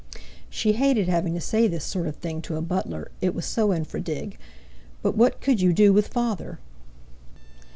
She hated having to say this sort of thing to a butler, it was so infra dig.; but what could you do with father?